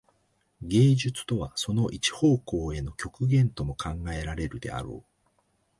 芸術とはその一方向への極限とも考えられるであろう。